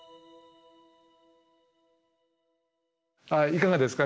いかがですか？